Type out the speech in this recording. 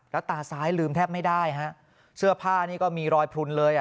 แล้วตาซ้ายลืมแทบไม่ได้ฮะเสื้อผ้านี่ก็มีรอยพลุนเลยอ่ะ